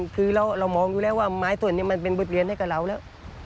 คือเรามองอยู่แล้วว่าไม้ส่วนนี้มันเป็นบทเรียนให้กับเราแล้ว